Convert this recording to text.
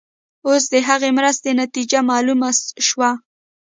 اوس د هغې مرستې نتیجه معلومه شوه.